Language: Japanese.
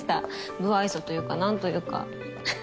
無愛想というか何というかははっ